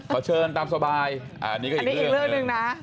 เชิญตามสบายอันนี้ก็อีกเรื่องหนึ่งนะ